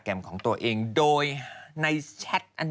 วันที่สุดท้าย